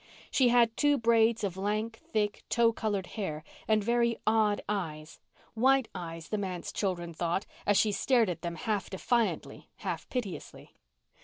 She had two braids of lank, thick, tow coloured hair and very odd eyes—"white eyes," the manse children thought, as she stared at them half defiantly, half piteously.